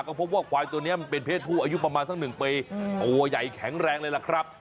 ก็พบว่าควายตัวนี้มันเป็นเพศผู้อายุประมาณสักหนึ่งปีตัวใหญ่แข็งแรงเลยล่ะครับ